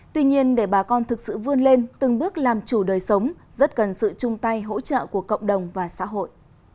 tuy nhiên để bà con thực sự vươn lên từng bước làm chủ đời sống rất cần sự chung tay hỗ trợ của cộng đồng và xã hội